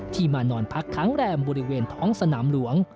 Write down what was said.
มานอนพักค้างแรมบริเวณท้องสนามหลวง